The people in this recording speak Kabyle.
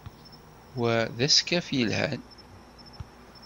Wa d askaf yelhan.